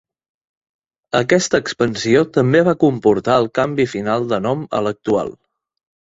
Aquesta expansió també va comportar el canvi final de nom a l'actual.